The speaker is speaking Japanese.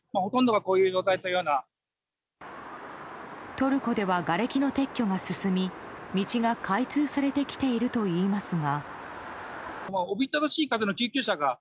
トルコではがれきの撤去が進み道が開通されてきているといいますが。